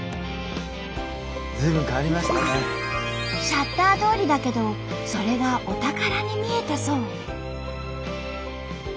シャッター通りだけどそれがお宝に見えたそう。